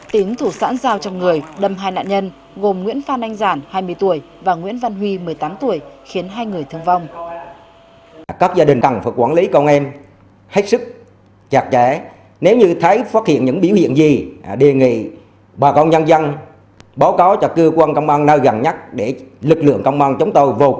tính thủ sãn giao trong người đâm hai nạn nhân gồm nguyễn phan anh giản hai mươi tuổi và nguyễn văn huy một mươi tám tuổi khiến hai người thương vong